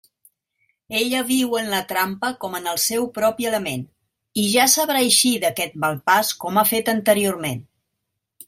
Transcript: Ella viu en la trampa com en el seu propi element, i ja sabrà eixir d'aquest mal pas com ha fet anteriorment.